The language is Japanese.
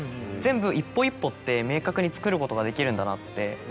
全部一歩一歩って明確につくることができるんだなって。